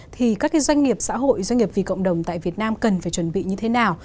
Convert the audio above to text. thì các doanh nghiệp xã hội doanh nghiệp vì cộng đồng tại việt nam cần phải chuẩn bị như thế nào